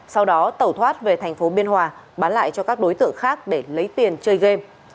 sau đó tẩu thoát về thành phố biên hòa bán lại cho các đối tượng khác để lấy tiền chơi game